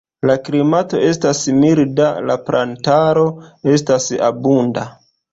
La klimato estas milda, la plantaro estas abunda.